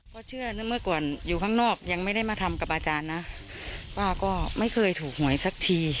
ก็เชื่อนะเมื่อก่อนอยู่ข้างนอกยังไม่ได้มาทำกับอาจารย์นะป้าก็ไม่เคยถูกหวยสักที